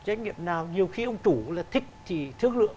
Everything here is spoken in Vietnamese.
doanh nghiệp nào nhiều khi ông chủ là thích thì thương lượng